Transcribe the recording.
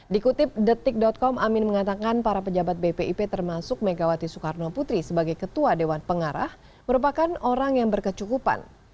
dikutip detik com amin mengatakan para pejabat bpip termasuk megawati soekarno putri sebagai ketua dewan pengarah merupakan orang yang berkecukupan